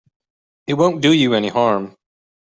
It won't do you any harm.